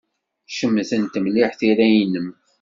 Cemtent mliḥ tira-nnem.